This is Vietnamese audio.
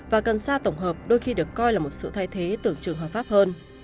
và cần xa tổng hợp đôi khi được coi là một sự thay thế tưởng trường hợp pháp hơn